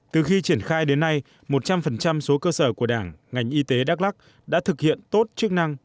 từ khi triển khai đến nay một trăm linh số cơ sở của đảng ngành y tế đắk lắc đã thực hiện tốt chức năng